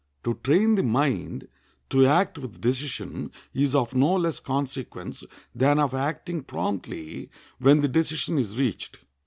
To train the mind to act with decision is of no less consequence than of acting promptly when the decision is reached.